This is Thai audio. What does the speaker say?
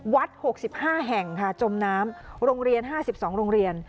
๖๕แห่งค่ะจมน้ำโรงเรียน๕๒โรงเรียน